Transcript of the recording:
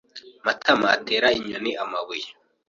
Matama atera inyoni amabuye.